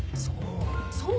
そう！